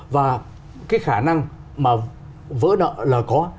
và cái khả năng mà vỡ nợ là có